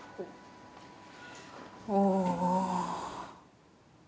おお。